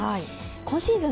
今シーズン